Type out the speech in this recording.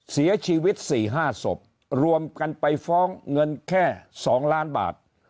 เสียชีวิต๔๕ศพรวมกันไปฟ้องเงินแค่๒ล้านบาท